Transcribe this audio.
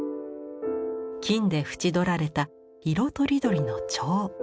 金で縁取られた色とりどりの蝶。